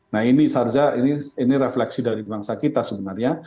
nah ini sarja ini refleksi dari bangsa kita sebenarnya